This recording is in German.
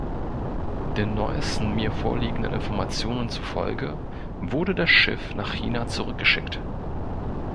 Den neuesten mir vorliegenden Informationen zufolge wurde das Schiff nach China zurückgeschickt.